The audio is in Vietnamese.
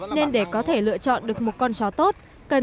nên để có thể lựa chọn được một con chó tốt